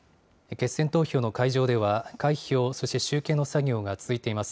決選投票の会場では、開票、そして集計の作業が続いています。